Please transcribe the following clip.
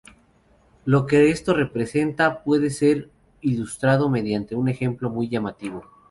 Lo que esto representa puede ser ilustrado mediante un ejemplo muy llamativo.